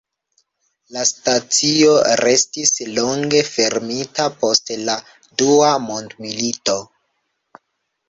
La stacio restis longe fermita post la Dua mondmilito.